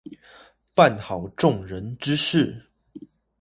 辦好眾人之事